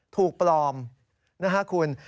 ถูกปลอมนะฮะคุณ